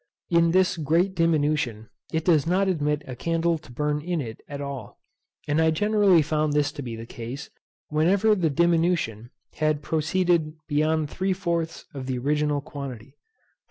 In this great diminution, it does not admit a candle to burn in it at all; and I generally found this to be the case whenever the diminution had proceeded beyond three fourths of the original quantity.